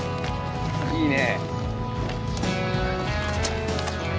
いいね。